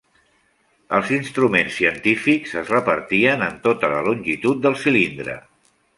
Els instruments científics es repartien en tota la longitud del cilindre.